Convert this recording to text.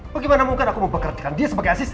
bagaimana mungkin aku mau percaya dia sebagai asisten